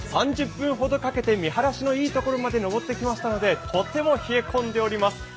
３０分ほどかけて見晴らしのいいところまで登ってきましたのでとても冷え込んでおります。